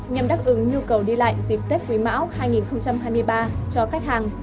nhằm đáp ứng nhu cầu đi lại dịp tết quý mão hai nghìn hai mươi ba cho khách hàng